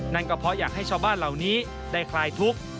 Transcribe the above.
นั่นก็เพราะอยากให้ชาวบ้านเหล่านี้ได้คลายทุกข์